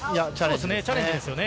チャレンジですよね。